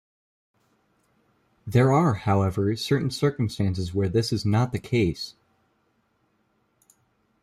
There are, however, certain circumstances where this is not the case.